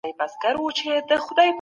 ایا په يونان کې هر ښار د دولت بڼه لري؟